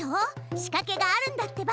仕かけがあるんだってば！